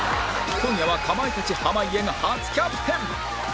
今夜はかまいたち濱家が初キャプテン！